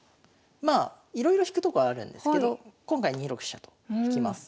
まあいろいろ引くとこあるんですけど今回２六飛車と引きます。